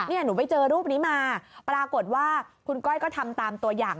หนูไปเจอรูปนี้มาปรากฏว่าคุณก้อยก็ทำตามตัวอย่าง